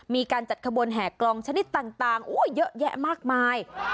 มีการจัดขบวนแห่กลองชนิดต่างเยอะแยะมากมาย